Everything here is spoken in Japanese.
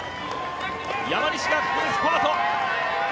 山西がここでスパート。